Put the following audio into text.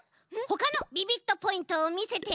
ほかのビビットポイントをみせて！